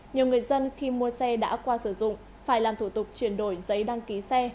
nhiều người dân khi mua xe đã qua sử dụng phải làm thủ tục chuyển đổi giấy đăng ký xe